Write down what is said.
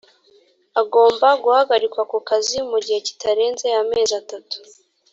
agomba guhagarikwa ku kazi mu gihe kitarenze amezi atatu